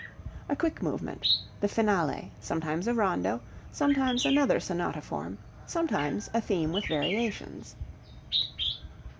A quick movement the finale, sometimes a rondo, sometimes another sonata form, sometimes a theme with variations.